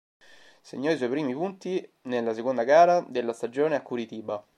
Segnò i suoi primi punti nella seconda gara della stagione a Curitiba.